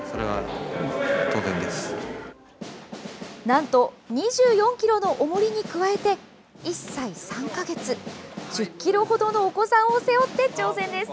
なんと２４ｋｇのおもりに加えて１歳３か月、１０ｋｇ程のお子さんを背負って、挑戦です。